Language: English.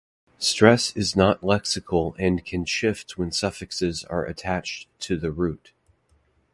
Stress is not lexical and can shift when suffixes are attached to the root.